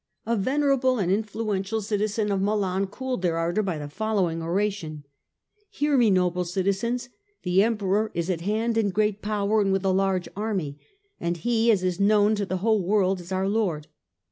A venerable and influential citizen of Milan cooled their ardour by the following oration :" Hear me, noble citizens. The Emperor is at hand in great power and with a large army, and he, as is known to the whole world, is our lord.